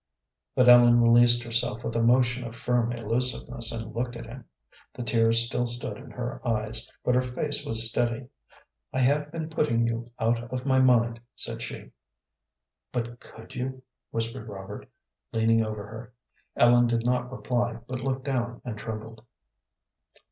But Ellen released herself with a motion of firm elusiveness and looked at him. The tears still stood in her eyes, but her face was steady. "I have been putting you out of my mind," said she. "But could you?" whispered Robert, leaning over her. Ellen did not reply, but looked down and trembled.